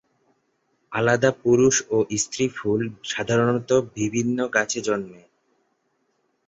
আলাদা পুরুষ ও স্ত্রী ফুল সাধারণত বিভিন্ন গাছে জন্মে।